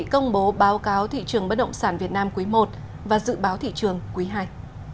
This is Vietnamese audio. công bố báo cáo thị trường bất động sản việt nam quý i và dự báo thị trường quý ii